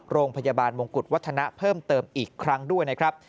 โรงพยาบาลมงกุฎวัฒนะเพิ่มเติมอีกครั้งด้วยนะครับ